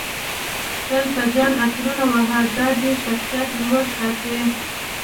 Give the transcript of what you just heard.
تل په ځان عطر وهه دادی شخصیت لوړ ساتي